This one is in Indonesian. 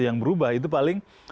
yang berubah itu paling